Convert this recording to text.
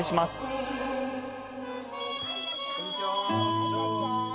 ・はいいらっしゃい。